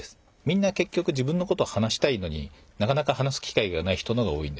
みんなけっきょく自分のこと話したいのになかなか話す機会がない人の方が多いんですよね。